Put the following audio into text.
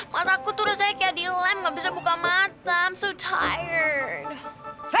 mataku tuh rasanya kayak dilem gak bisa buka mata i'm so tired